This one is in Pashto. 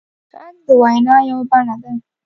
غږ د وینا یوه بڼه ده